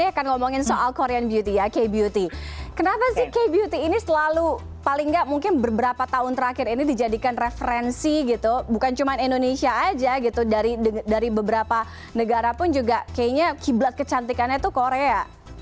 akan ngomongin soal korean beauty ya k beauty kenapa sih k beauty ini selalu paling nggak mungkin beberapa tahun terakhir ini dijadikan referensi gitu bukan cuma indonesia aja gitu dari beberapa negara pun juga kayaknya kiblat kecantikannya tuh korea